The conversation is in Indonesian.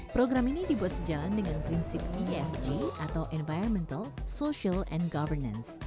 program ini dibuat sejalan dengan prinsip esg atau environmental sustainability